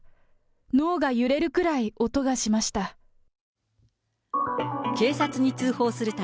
脳が揺れるくらい音がしました。